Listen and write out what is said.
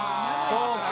そうか。